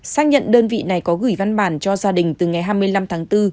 xác nhận đơn vị này có gửi văn bản cho gia đình từ ngày hai mươi năm tháng bốn